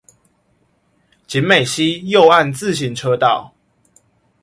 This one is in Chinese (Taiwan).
景美溪右岸自行車道